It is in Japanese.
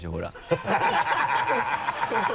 ハハハ